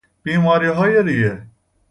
بیماریهای ریه